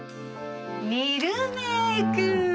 ミルメーク。